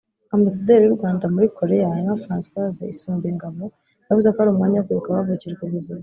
Ambasaderi w’u Rwanda muri Korea Emma Francoise Isumbingabo yavuze ko ari umwanya wo kwibuka abavukijwe ubuzima